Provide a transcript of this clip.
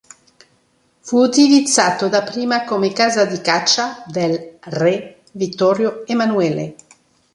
Fu utilizzato dapprima come "casa di caccia" del re Vittorio Emanuele.